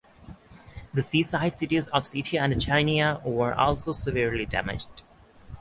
The seaside cities of Sitia and Chania were also severely damaged.